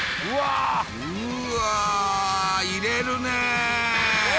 うわー、入れるね。